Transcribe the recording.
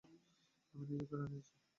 আমি নিজেই প্যারা নিয়েছি।